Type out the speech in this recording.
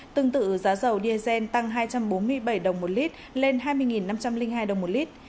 tương tự giá dầu diesel tăng hai trăm bốn mươi bảy đồng một lít lên hai mươi năm trăm linh hai đồng một lít